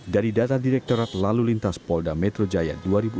dari data direkturat lalu lintas polda metro jaya dua ribu dua puluh